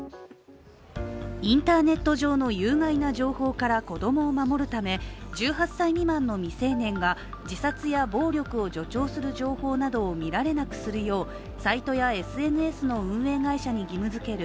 インターネット上の有害な情報から子供を守るため１８歳未満の未成年が自殺や暴力を助長する情報などを見られなくするようサイトやＳＮＳの運営会社に義務づける